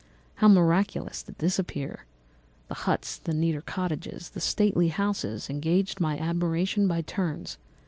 How miraculous did this appear! The huts, the neater cottages, and stately houses engaged my admiration by turns.